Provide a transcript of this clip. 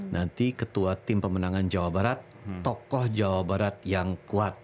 nanti ketua tim pemenangan jawa barat tokoh jawa barat yang kuat